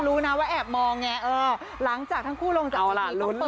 รู้นะว่าแอบมองเนี่ยหลังจากทั้งคู่ลงจากอันนี้